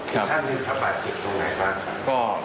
ช่างมีประบาดเจ็บตรงไหนบ้างครับ